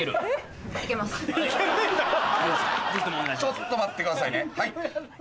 ちょっと待ってくださいねおいフルヤ！